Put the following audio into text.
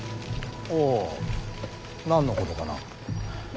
おお何のことかな。